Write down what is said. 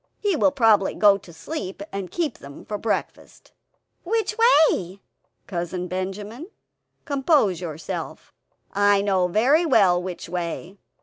He will probably go to sleep, and keep them for breakfast." "Which way?" "Cousin Benjamin, compose yourself. I know very well which way.